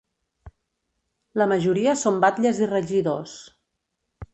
La majoria són batlles i regidors.